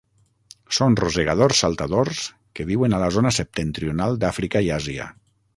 Són rosegadors saltadors que viuen a la zona septentrional d'Àfrica i Àsia.